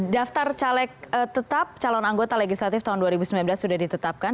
daftar caleg tetap calon anggota legislatif tahun dua ribu sembilan belas sudah ditetapkan